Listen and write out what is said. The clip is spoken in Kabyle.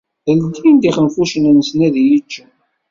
Ldin-d ixenfucen-nsen ad iyi-ččen.